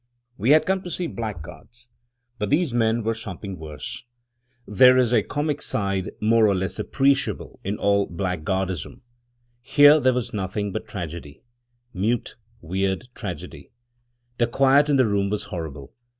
We had come to see blackguards; but these men were something worse. There is a comic side, more or less appreciable, in all blackguardism — here there was nothing but tragedy — mute, weird tragedy. The quiet in the room was horrible.